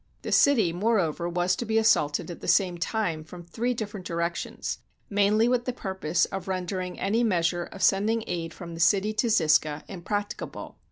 The city, moreover, was to be assaulted at the same time from three different directions, mainly with the pur pose of rendering any measure of sending aid from the city to Zisca impracticable.